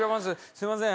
すいません。